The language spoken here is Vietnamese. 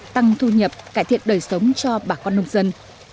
tăng thu nhập cải thiện đời sống cho bà con nông dân